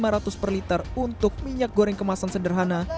rp lima ratus per liter untuk minyak goreng kemasan sederhana